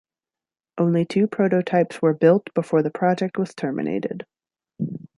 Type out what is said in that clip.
Only two prototypes were built before the project was terminated.